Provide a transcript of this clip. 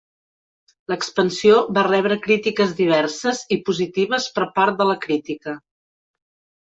L'expansió va rebre crítiques diverses i positives per part de la crítica.